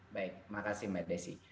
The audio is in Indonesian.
baik makasih mbak desy